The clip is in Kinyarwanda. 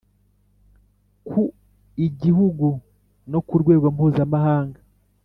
ku Igihugu no ku rwego mpuzamahanga